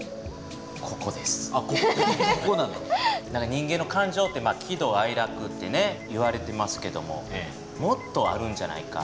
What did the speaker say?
人間の感情ってきどあいらくって言われてますけどももっとあるんじゃないか。